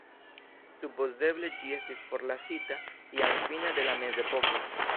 Supozeble ĝi estis forlasita jam fine de la mezepoko.